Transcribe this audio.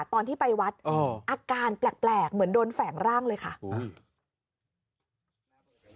ตอนที่ไปวัดอ๋ออาการแปลกแปลกเหมือนโดนแฝงร่างเลยค่ะโอ้ย